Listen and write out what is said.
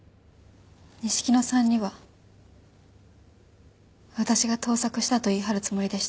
錦野さんには私が盗作したと言い張るつもりでした。